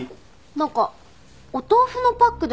お豆腐のパック？